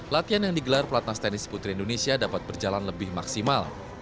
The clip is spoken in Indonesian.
latihan yang digelar pelatnas tenis putri indonesia dapat berjalan lebih maksimal